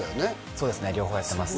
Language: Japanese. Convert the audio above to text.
そうですね両方やってます